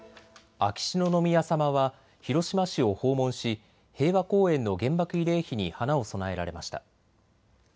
秋篠宮さまは広島市を訪問し平和公園の原爆慰霊碑に花を供えられました。